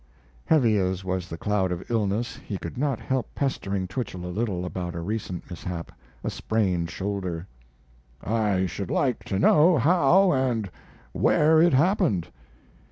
Heavy as was the cloud of illness, he could not help pestering Twichell a little about a recent mishap a sprained shoulder: I should like to know how & where it happened.